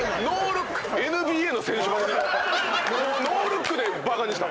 ＮＢＡの選手ばりにノールックでバカにした！